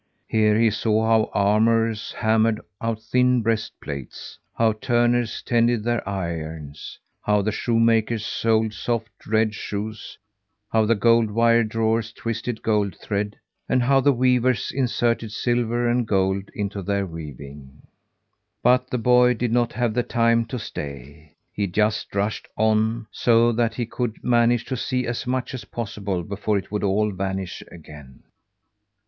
Here he saw how armourers hammered out thin breast plates; how turners tended their irons; how the shoemakers soled soft, red shoes; how the gold wire drawers twisted gold thread, and how the weavers inserted silver and gold into their weaving. But the boy did not have the time to stay. He just rushed on, so that he could manage to see as much as possible before it would all vanish again.